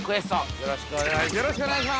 ◆よろしくお願いします。